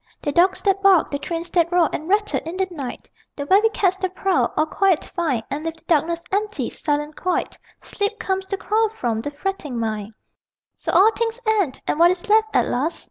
The dogs that bark, The trains that roar and rattle in the night, The very cats that prowl, all quiet find And leave the darkness empty, silent quite: Sleep comes to chloroform the fretting mind. So all things end: and what is left at last?